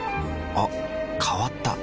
あ変わった。